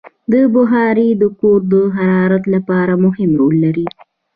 بخاري د کور د حرارت لپاره مهم رول لري.